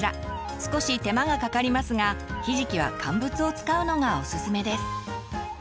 少し手間がかかりますがひじきは乾物を使うのがオススメです。